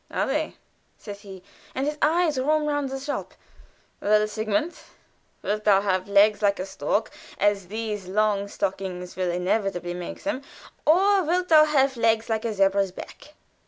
"Are they?" says he, and his eyes roam round the shop. "Well, Sigmund, wilt thou have legs like a stork, as these long stripes will inevitably make them, or wilt thou have legs like a zebra's back?"